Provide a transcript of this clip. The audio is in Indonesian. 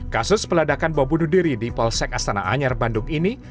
kasus peledakan bom bunuh diri di polsek astana anyar bandung ini